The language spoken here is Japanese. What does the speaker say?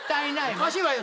おかしいわよ。